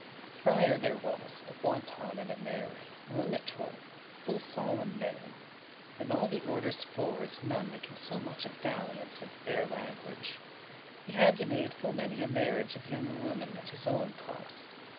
A FRIAR there was, a wanton and a merry, A limitour <18>, a full solemne man. In all the orders four is none that can* *knows So much of dalliance and fair language. He had y made full many a marriage Of younge women, at his owen cost.